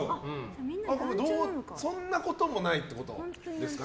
そんなこともないってことですか。